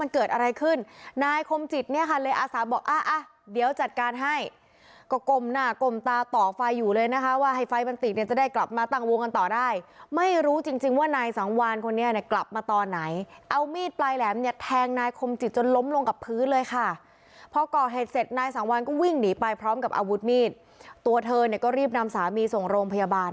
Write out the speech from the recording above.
ก็กมหน้ากลมตาต่อไฟอยู่เลยนะคะว่าให้ไฟมันติดเนี้ยจะได้กลับมาตั้งวงกันต่อได้ไม่รู้จริงจริงว่านายสังวัลคนนี้เนี้ยกลับมาต่อไหนเอามีดปลายแหลมเนี้ยแทงนายคมจิตจนล้มลงกับพื้นเลยค่ะพอก่อเฮ็ดเสร็จนายสังวัลก็วิ่งหนีไปพร้อมกับอาวุธมีดตัวเธอเนี้ยก็รีบนำสามีส่งโรงพยาบ